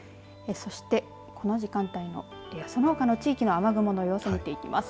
そして、この時間帯のそのほかの地域の雨雲の様子を見ていきます。